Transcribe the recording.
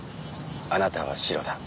あなたはシロだ。